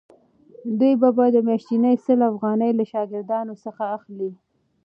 دوی به د میاشتې سل افغانۍ له شاګردانو څخه اخلي.